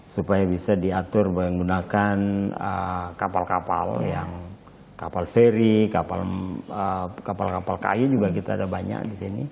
supaya bisa diatur menggunakan kapal kapal yang kapal feri kapal kapal kayu juga kita ada banyak di sini